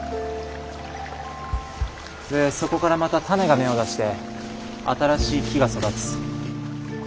でそこからまた種が芽を出して新しい木が育つ。